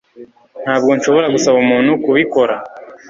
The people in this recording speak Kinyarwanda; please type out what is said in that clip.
ntabwo nshobora gusaba umuntu kubikora